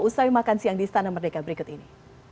usai makan siang di istana merdeka berikut ini